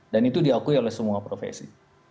dan itu diakui oleh semua profesi